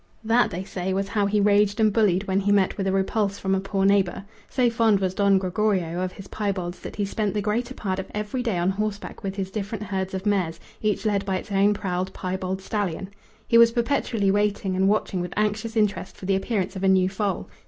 That, they say, was how he raged and bullied when he met with a repulse from a poor neighbour. So fond was Don Gregorio of his piebalds that he spent the greater part of every day on horseback with his different herds of mares, each led by its own proud piebald stallion. He was perpetually waiting and watching with anxious interest for the appearance of a new foal.